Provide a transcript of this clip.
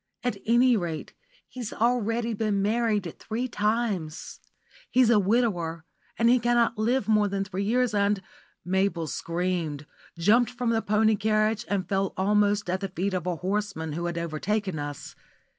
At any rate, he's already been married three times. He's a widower, and he cannot live more than three years, and " Mabel screamed, jumped from the pony carriage, and fell almost at the feet of a horseman who had overtaken us.